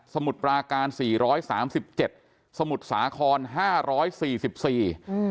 มุดปราการสี่ร้อยสามสิบเจ็ดสมุทรสาครห้าร้อยสี่สิบสี่อืม